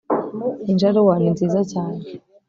injaruwa ni nziza cyane